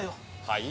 はい？